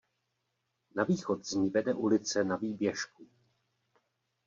Na východ z ní vede ulice Na Výběžku.